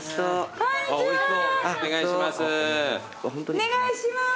お願いします。